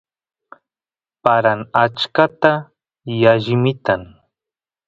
paran achkata y allimitan